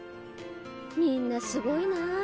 みんなすごいなあ。